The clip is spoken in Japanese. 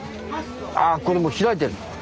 ああこれもう開いてる。